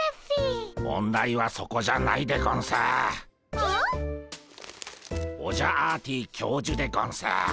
ピ？オジャアーティ教授でゴンス。